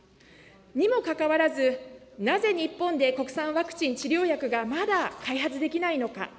にもかかわらず、なぜ日本で、国産ワクチン、治療薬がまだ開発できないのか。